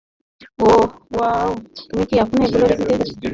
ওহ wow, তুমি কি এখনো এগুলো রেখে দিয়েছো?